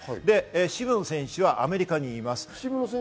渋野選手はアメリカにいます。